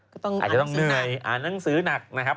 ก็ต้องอ่านหนังสือนักอ่านหนังสือนักนะครับ